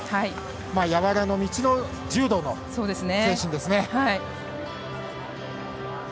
柔らの道の柔道の精神ですね。